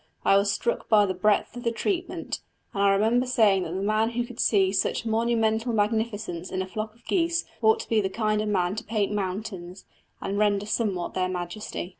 I was struck by the breadth of the treatment, and I remember saying that the man who could see such monumental magnificence in a flock of geese ought to be the kind of man to paint mountains, and render somewhat of their majesty."